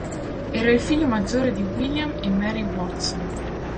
Era il figlio maggiore di William e Mary Watson.